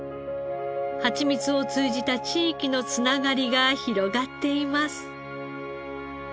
ハチミツを通じた地域の繋がりが広がっています。